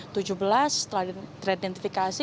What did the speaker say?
tujuh belas telah teridentifikasi